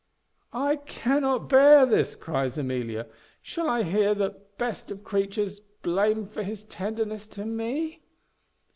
"I cannot bear this," cries Amelia; "shall I hear that best of creatures blamed for his tenderness to me?"